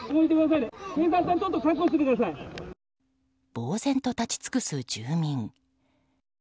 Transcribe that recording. ぼうぜんと立ち尽くす住民。